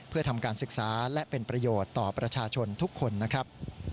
เพื่อทำการศึกษาและเป็นประโยชน์ต่อประชาชนทุกคนนะครับ